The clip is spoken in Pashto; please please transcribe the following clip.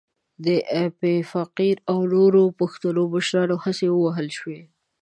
د ایپي فقیر او نورو پښتنو مشرانو هڅې ووهل شوې.